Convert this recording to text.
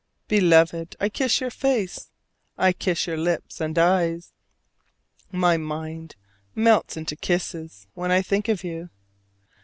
Beloved, I kiss your face, I kiss your lips and eyes: my mind melts into kisses when I think of you.